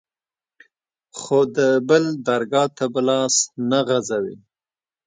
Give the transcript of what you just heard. خو د بل درګا ته به لاس نه غځوې.